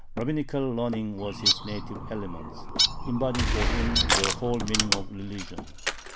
Rabbinical learning was his native element, embodying for him the whole meaning of religion.